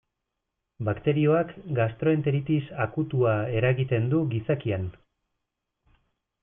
Bakterioak gastroenteritis akutua eragiten du gizakian.